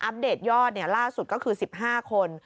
เดตยอดล่าสุดก็คือ๑๕คน